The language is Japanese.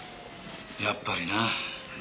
やっぱりな。